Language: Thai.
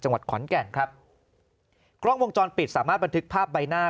จังหวัดขอนแก่นครับกล้องวงจรปิดสามารถบันทึกภาพใบหน้า